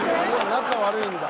仲悪いんだ。